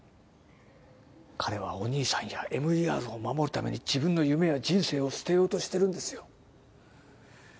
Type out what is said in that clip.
彼はお兄さんやＭＥＲを守るために自分の夢や人生を捨てようとしてるんですよ